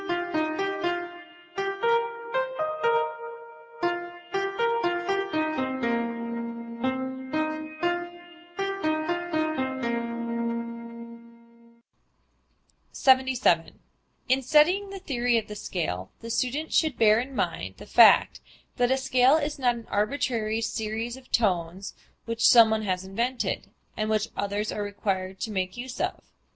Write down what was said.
77. In studying the theory of the scale the student should bear in mind the fact that a scale is not an arbitrary series of tones which some one has invented, and which others are required to make use of.